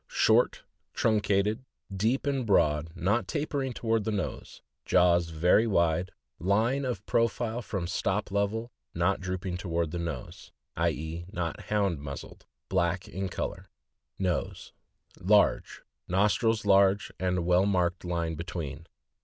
— Short, truncated, deep and broad, not tapering toward the nose; jaws very wide; line of profile from stop level, not drooping toward the nose (i. e., not Hound muz zled); black in color. Nose. — Large; nostrils large, and a well marked line between.